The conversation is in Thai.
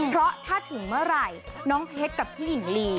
เพราะถ้าถึงเมื่อไหร่น้องเพชรกับพี่หญิงลี